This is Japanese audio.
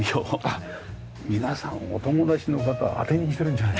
皆さんお友達の方当てにしてるんじゃない？